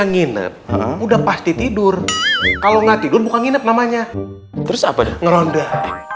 menginap udah pasti tidur kalau nggak tidur bukan inap namanya terus apa ngerondah